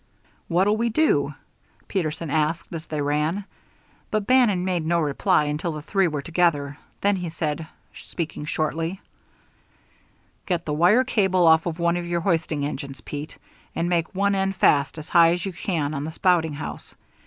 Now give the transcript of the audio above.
"What'll we do?" Peterson asked, as they ran; but Bannon made no reply until the three were together. Then he said, speaking shortly: "Get the wire cable off one of your hoisting engines, Pete, and make one end fast as high as you can on the spouting house.